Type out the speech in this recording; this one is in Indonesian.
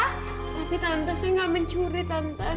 tapi tante saya gak mencuri tanpa